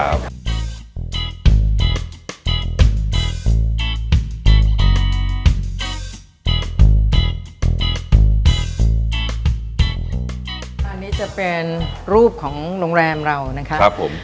อันนี้จะเป็นรูปของโรงแรมเรานะครับผม